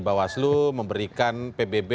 bawah slu memberikan pbb